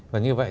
và như vậy